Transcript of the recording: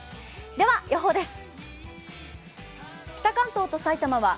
では、予報です。